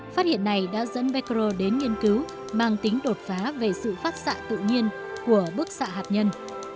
phát hiện này đã dẫn mecro đến nghiên cứu mang tính đột phá về sự phát xạ tự nhiên của bức xạ hạt nhân